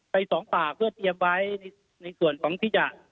ไปสองฝ่าเพื่อเตรียมไว้นี้ในส่วนต่อที่จะ